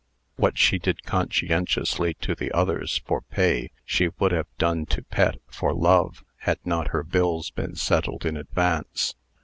What she did conscientiously to the others for pay, she would have done to Pet for love, had not her bills been settled in advance.